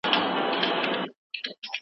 نو له بلې خوا د ښې هوا